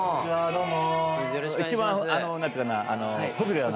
どうも。